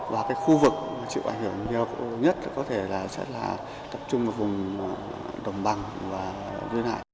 và khu vực chịu ảnh hưởng nhiều nhất có thể là tập trung vào vùng đồng bằng và dưới nải